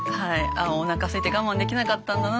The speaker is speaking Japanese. おなかすいて我慢できなかったんだな。